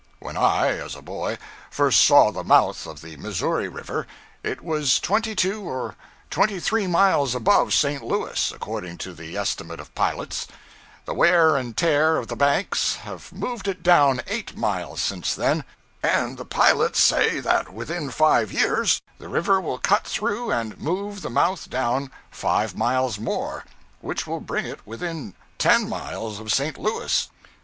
When I, as a boy, first saw the mouth of the Missouri River, it was twenty two or twenty three miles above St. Louis, according to the estimate of pilots; the wear and tear of the banks have moved it down eight miles since then; and the pilots say that within five years the river will cut through and move the mouth down five miles more, which will bring it within ten miles of St. Louis.